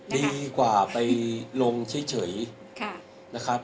ดีกว่าไปลงเฉยค่ะ